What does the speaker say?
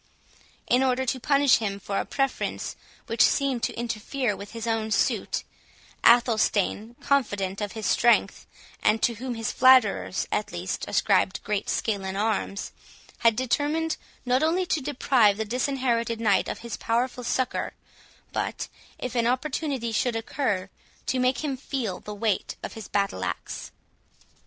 In order to punish him for a preference which seemed to interfere with his own suit, Athelstane, confident of his strength, and to whom his flatterers, at least, ascribed great skill in arms, had determined not only to deprive the Disinherited Knight of his powerful succour, but, if an opportunity should occur, to make him feel the weight of his battle axe.